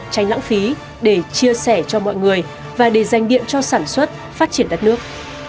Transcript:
tránh lãng phí để chia sẻ cho mọi người và để dành điện cho sản xuất phát triển đất nước